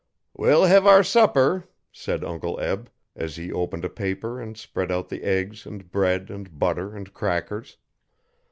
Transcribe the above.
'We'll hev our supper,' said Uncle Eb, as he opened a paper and spread out the eggs and bread and butter and crackers.